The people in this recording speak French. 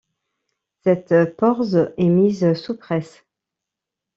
Cette porse est mise sous presse.